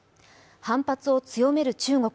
反発を強める中国。